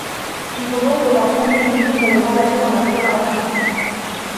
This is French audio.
Ils vont donc devoir trouver une idée pour le remplacer dans leurs préparations.